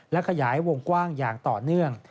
และขยายวงกว้างอย่างต่อเนื่อง